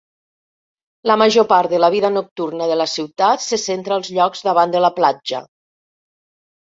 La major part de la vida nocturna de la ciutat se centra als llocs davant de la platja.